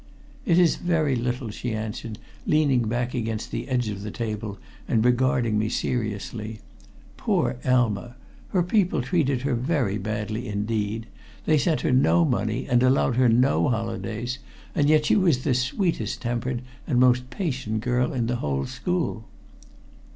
"It is very little," she answered, leaning back against the edge of the table and regarding me seriously. "Poor Elma! Her people treated her very badly indeed. They sent her no money, and allowed her no holidays, and yet she was the sweetest tempered and most patient girl in the whole school."